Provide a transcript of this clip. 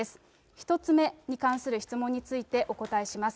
１つ目に関する質問について、お答えします。